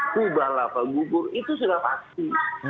kubah lapa gugur itu sudah pasti